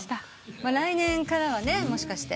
来年からはもしかして。